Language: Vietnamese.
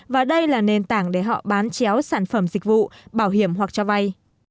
và đây là nền tảng để họ bán chéo sản phẩm dịch vụ bảo hiểm hoặc cho vay